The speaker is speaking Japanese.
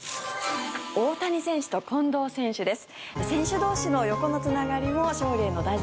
大谷選手と近藤選手です。